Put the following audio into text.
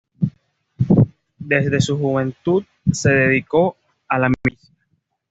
Desde su juventud se dedicó a la milicia.